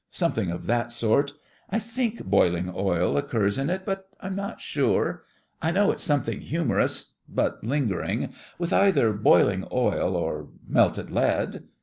Something of that sort. I think boiling oil occurs in it, but I'm not sure. I know it's something humorous, but lingering, with either boiling oil or melted lead.